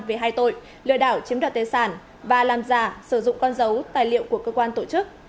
về hai tội lừa đảo chiếm đoạt tài sản và làm giả sử dụng con dấu tài liệu của cơ quan tổ chức